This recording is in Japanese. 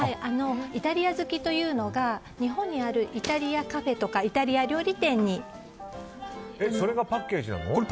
「イタリア好き」というのが日本にあるイタリアカフェとかそれがパッケージなの？